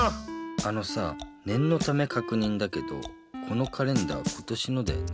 あのさねんのためかくにんだけどこのカレンダー今年のだよね？